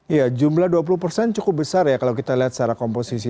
iya jumlah dua puluh persen cukup besar ya kalau kita lihat secara komposisi